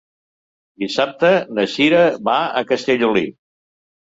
Dissabte na Cira va a Castellolí.